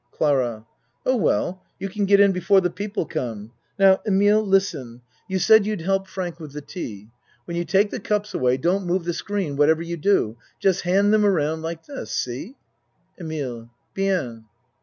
CLARA Oh, well, you can get in before the peo ple come. Now, Emile, listen. You said you'd help 60 A MAN'S WORLD Frank with the tea. When you take the cups away don't move the screen what ever you do. Just hand them around like this. See EMILE Bien.